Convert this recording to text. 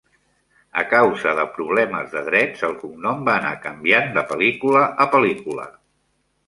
A causa de problemes de drets, el cognom va anar canviant de pel·lícula a pel·lícula.